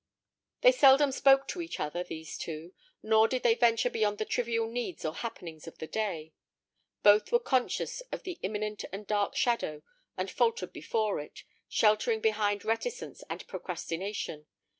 They seldom spoke to each other, these two, nor did they venture beyond the trivial needs or happenings of the day. Both were conscious of the imminent and dark shadow, and faltered before it, sheltering behind reticence and procrastination.